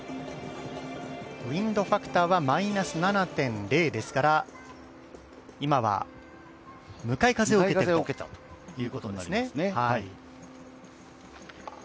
ウインドファクターはマイナス７．０ですから今は向かい風を受けているということになりますね。